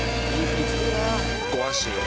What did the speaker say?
ご安心を。